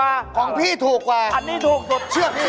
อันนี้ถูกสุด